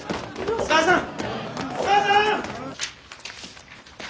お母さん！